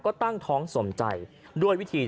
กระทั่งเด็กคลอดออกมาก่อนกำหนด